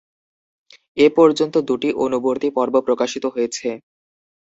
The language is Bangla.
এ পর্যন্ত দুটি অনুবর্তী পর্ব প্রকাশিত হয়েছে।